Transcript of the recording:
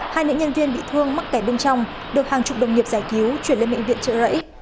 hai nữ nhân viên bị thương mắc kẻ bên trong được hàng chục đồng nghiệp giải cứu chuyển lên bệnh viện trợ rẫy